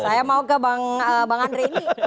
saya mau ke bang andre ini